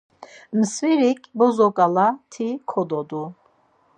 Mskverik bozoǩala ti kododu.